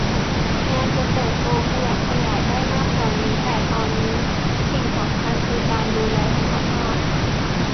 งานจะเติบโตขยับขยายได้มากกว่านี้ แต่ตอนนี้สิ่งสำคัญคือการดูแลสุขภาพ